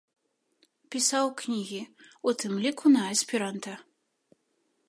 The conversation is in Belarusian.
Пісаў кнігі, у тым ліку на эсперанта.